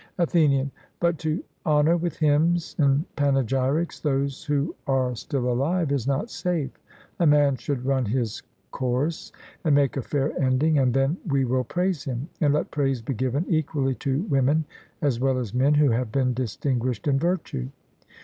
ATHENIAN: But to honour with hymns and panegyrics those who are still alive is not safe; a man should run his course, and make a fair ending, and then we will praise him; and let praise be given equally to women as well as men who have been distinguished in virtue.